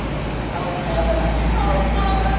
"Oh, mother! oh, mother!